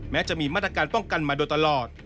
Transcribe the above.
แม้จะมีมาตรการป้องกันมาโดยตลอด